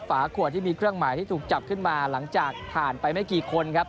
ฝาขวดที่มีเครื่องหมายที่ถูกจับขึ้นมาหลังจากผ่านไปไม่กี่คนครับ